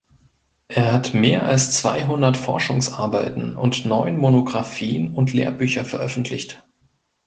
Er hat mehr als zweihundert Forschungsarbeiten und neun Monographien und Lehrbücher veröffentlicht.